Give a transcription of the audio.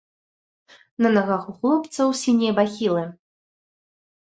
На нагах у хлопцаў сінія бахілы.